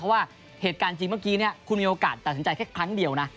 เพราะว่าเหตุการณ์จริงเมื่อกี้คุณมีโอกาสตัดสินใจแค่ครั้งเดียวนะ